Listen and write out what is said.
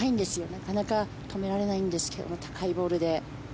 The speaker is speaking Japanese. なかなか止められないんですが高いボールで。